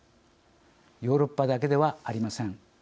ヨーロッパだけではありません。